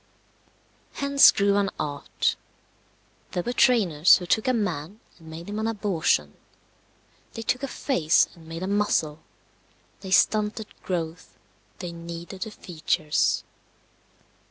Hence grew an art. There were trainers who took a man and made him an abortion; they took a face and made a muzzle; they stunted growth; they kneaded the features.